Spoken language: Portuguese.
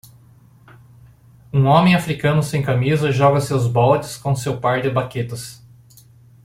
Um homem Africano sem camisa joga seus baldes com seu par de baquetas.